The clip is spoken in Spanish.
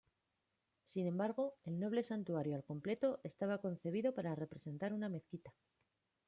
Sin embargo, el Noble Santuario al completo estaba concebido para representar una mezquita.